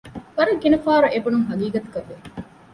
ވަރަށް ގިނަ ފަހަރު އެބުނުން ހަގީގަތަކަށް ވެ